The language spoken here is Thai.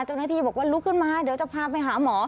เจ้าหน้าที่บอกว่าลุกขึ้นมาเดี๋ยวจะพาไปหาหมอ